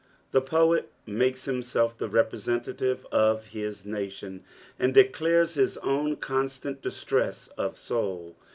The poet makes biinself the represeDtative of bis nation, and declares Ills own constant distress of soul.